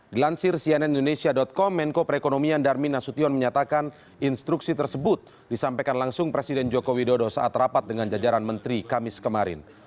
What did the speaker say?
dilansir cnn indonesia com menko perekonomian darmin nasution menyatakan instruksi tersebut disampaikan langsung presiden joko widodo saat rapat dengan jajaran menteri kamis kemarin